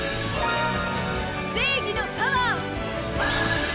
正義のパワー！